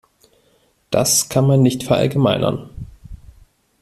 Das kann man nicht verallgemeinern.